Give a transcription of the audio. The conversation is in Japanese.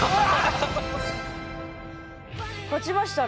勝ちましたね